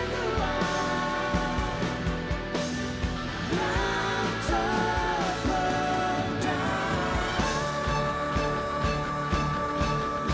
ku di dalam dirimu